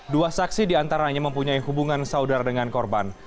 dua saksi diantaranya mempunyai hubungan saudara dengan korban